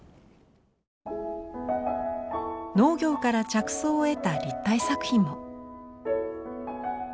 農業から着想を得た立体作品も。